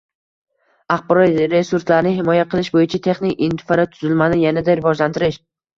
axborot resurslarini himoya qilish bo'yicha texnik infratuzilmani yanada rivojlantirish;